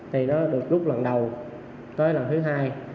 thì nó được rút lần đầu tới lần thứ hai